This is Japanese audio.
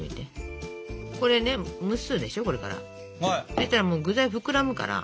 そしたら具材膨らむから。